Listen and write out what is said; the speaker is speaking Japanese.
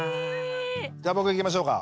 じゃあ僕いきましょうか。